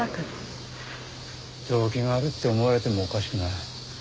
動機があるって思われてもおかしくない。